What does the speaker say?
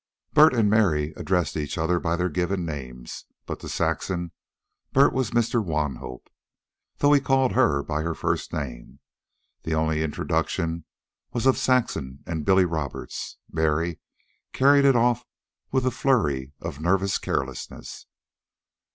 Bert and Mary addressed each other by their given names, but to Saxon Bert was "Mr. Wanhope," though he called her by her first name. The only introduction was of Saxon and Billy Roberts. Mary carried it off with a flurry of nervous carelessness.